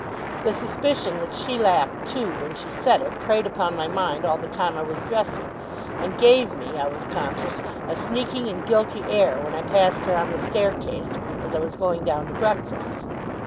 The suspicion that she laughed too, when she said it, preyed upon my mind all the time I was dressing; and gave me, I was conscious, a sneaking and guilty air when I passed her on the staircase, as I was going down to breakfast.